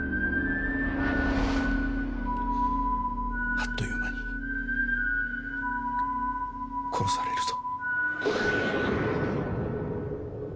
あっという間に殺されるぞ。